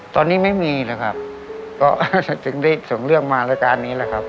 ตอนนี้ไม่มีนะครับก็ถึงได้ส่งเรื่องมารายการนี้แหละครับ